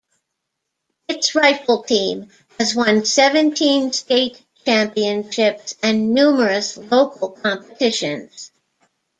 Its rifle team has won seventeen state championships and numerous local competitions.